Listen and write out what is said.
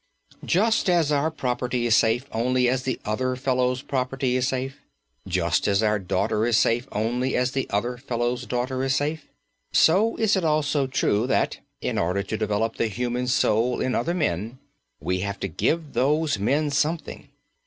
Just as our property is safe, only as the other fellow's property is safe; just as our daughter is safe, only as the other fellow's daughter is safe; so is it also true that, in order to develop the human soul in other men, we have to give those men something.